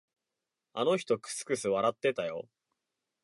あの人、くすくす笑ってたよ。